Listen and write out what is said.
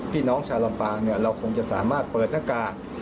พี่น้องชาวลำปางเราคงจะสามารถเปิดหน้ากาก